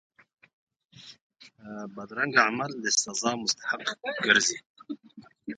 بدرنګه عمل د سزا مستحق ګرځي